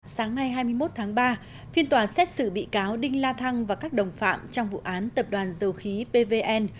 sáng nay hai mươi một tháng ba phiên tòa xét xử bị cáo đinh la thăng và các đồng phạm trong vụ án tập đoàn dầu khí pvn